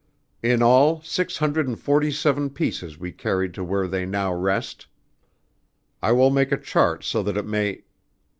In all six hundred and forty seven pieces we carried to where they now rest. I will make a chart so that it may